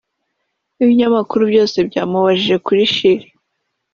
Ibinyamakuru byose byamubajije kuri Chilli